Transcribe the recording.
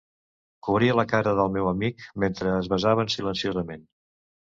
Cobria la cara del meu amic mentre es besaven silenciosament.